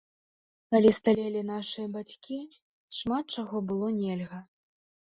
Калі сталелі нашыя бацькі, шмат чаго было нельга.